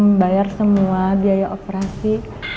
membayar semua biaya operasi